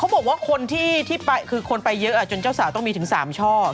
บอกว่าคนที่ไปคือคนไปเยอะจนเจ้าสาวต้องมีถึง๓ช่อ